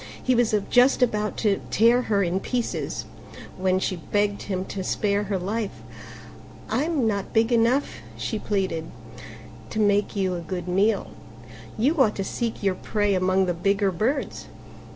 He was just about to tear her in pieces when she begged him to spare her life: "I'm not big enough," she pleaded, "to make you a good meal: you ought to seek your prey among the bigger birds."